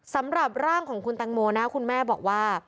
สำหรับร่างของคุณตังโมนะคุณแม่บอกว่า